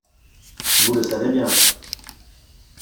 Vous le savez bien.